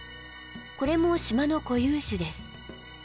これも島の固有種です。